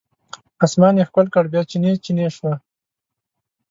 اسمان یې ښکل کړ بیا چینې، چینې شوه